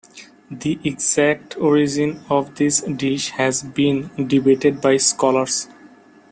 The exact origin of this dish has been debated by scholars.